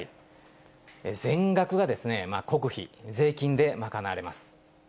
全額が国費、税金で賄われます。